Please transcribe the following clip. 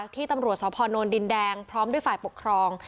ที่ตำรวจสพนดินแดงพร้อมด้วยฝ่ายปกครอง